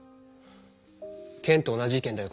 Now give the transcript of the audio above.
ケンと同じ意見だよ